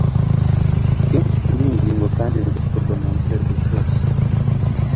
kenshi kuri iyi ngingo kandi bigakorwa n'inzego zose.